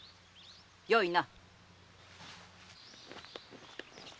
よいな！